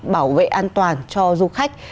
bảo vệ an toàn cho du khách